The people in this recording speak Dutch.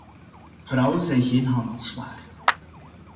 Vrouwen zijn geen handelswaar.